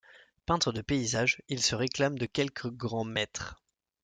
Peintre de paysage, il se réclame de quelques grands maîtres.